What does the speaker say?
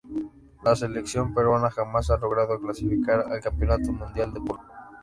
La selección peruana jamás ha logrado clasificar al Campeonato Mundial de Polo.